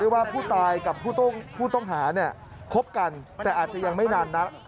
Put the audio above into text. ว่าผู้ตายกับผู้ต้องหาคบกันแต่อาจจะยังไม่นานนัก